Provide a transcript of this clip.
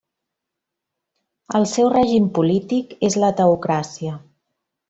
El seu règim polític és la teocràcia.